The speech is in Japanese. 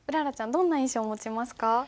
どんな印象を持ちますか？